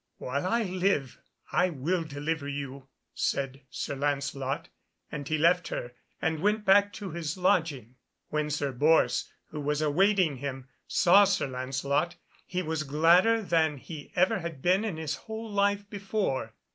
"While I live I will deliver you," said Sir Lancelot, and he left her and went back to his lodging. When Sir Bors, who was awaiting him, saw Sir Lancelot, he was gladder than he ever had been in his whole life before.